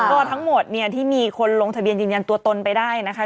ก็ทั้งหมดเนี่ยที่มีคนลงทะเบียนยืนยันตัวตนไปได้นะคะ